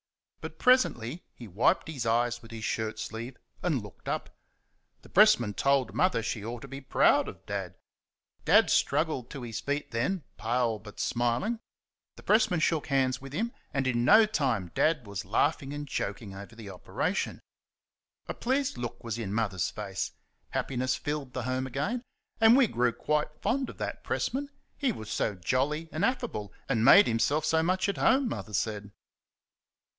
But presently he wiped his eyes with his shirt sleeve and looked up. The pressman told Mother she ought to be proud of Dad. Dad struggled to his feet then, pale but smiling. The pressman shook hands with him, and in no time Dad was laughing and joking over the operation. A pleased look was in Mother's face; happiness filled the home again, and we grew quite fond of that pressman he was so jolly and affable, and made himself so much at home, Mother said.